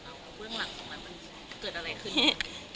แล้วเรื่องหลังของแมทมันเกิดอะไรขึ้น